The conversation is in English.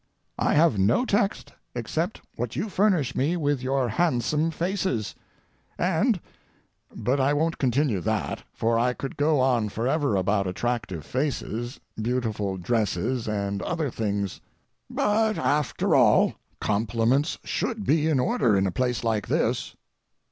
I have no text except what you furnish me with your handsome faces, and—but I won't continue that, for I could go on forever about attractive faces, beautiful dresses, and other things. But, after all, compliments should be in order in a place like this.